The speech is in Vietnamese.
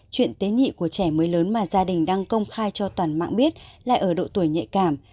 chuyện tế nhị của trẻ mới lớn mà gia đình đang công khai cho toàn mạng biết lại ở độ tuổi nhạy cảm